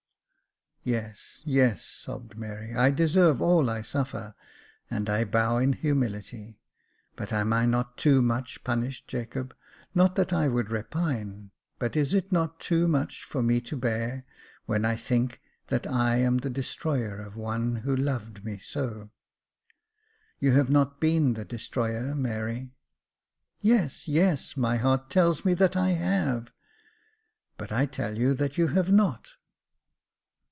"" Yes, yes," sobbed Mary, " I deserve all I suffer ; and I bow in humility. But am I not too much punished, Jacob .'' Not that I would repine : but is it not too much for me to bear, when I think that I am the destroyer of one who loved me so ?"" You have not been the destroyer, Mary." " Yes, yes ; my heart tells me that I have." " But I tell you that you have not.